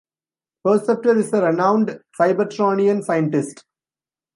Perceptor is a renowned Cybertronian scientist.